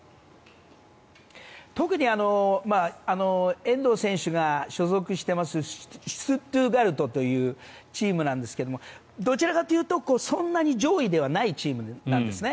特に遠藤選手が所属しているシュツットガルトというチームなんですけどもどちらかというとそんなに上位ではないチームなんですね。